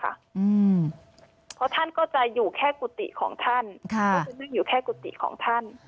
เพราะท่านก็จะอยู่แค่กุฏิของท่าน